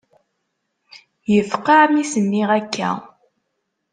Yefqeɛ mi s-nniɣ akka.